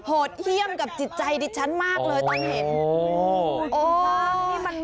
โหดเยี่ยมกับจิตใจดิฉันมากเลยตอนเห็น